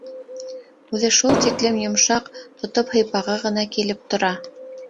Үҙе шул тиклем йомшаҡ, тотоп һыйпағы ғына килеп тора.